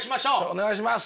お願いします。